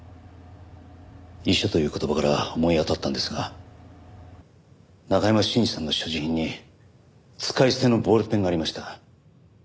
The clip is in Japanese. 遺書という言葉から思い当たったんですが中山信二さんの所持品に使い捨てのボールペンがありました。